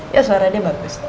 ya suara dia bagus